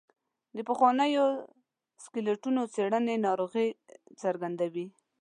د پخوانیو سکلیټونو څېړنې ناروغۍ څرګندوي.